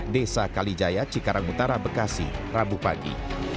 desa kalijaya cikarang utara bekasi rabu pagi